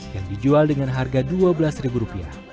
yang dijual dengan harga dua belas ribu rupiah